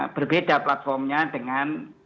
berbeda platformnya dengan